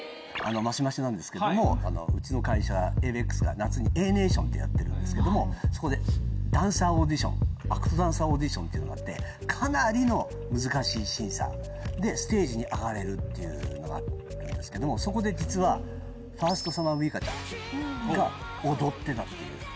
マシマシなんですけどもうちの会社エイベックスが夏にａ−ｎａｔｉｏｎってやってるんですけどもそこでダンサーオーディションアクトダンサーオーディションっていうのがあってかなりの難しい審査でステージに上がれるっていうのがあるんですけどそこで実はファーストサマーウイカちゃんが踊ってたっていう。